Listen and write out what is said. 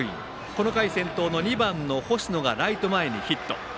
この回先頭の２番の星野がライト前にヒット。